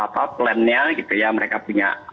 plan nya mereka punya